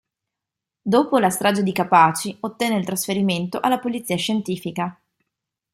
Dopo la Strage di Capaci, ottenne il trasferimento alla Polizia Scientifica.